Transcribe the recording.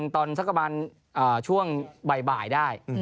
สักประมาณช่วงบ่ายได้